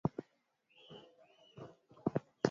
Zemlya na Kisiwa cha Wrangel kwenye Bahari